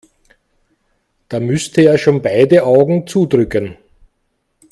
Da müsste er schon beide Augen zudrücken.